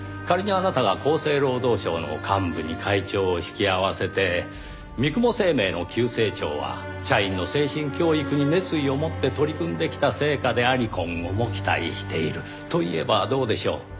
仮にあなたが厚生労働省の幹部に会長を引き合わせて三雲生命の急成長は社員の精神教育に熱意を持って取り組んできた成果であり今後も期待していると言えばどうでしょう？